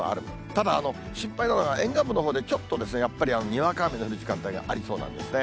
ただ、心配なのが、沿岸部のほうで、ちょっとやっぱりにわか雨の降る時間帯がありそうなんですね。